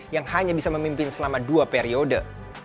yang hanya bisa memimpin selama dua periode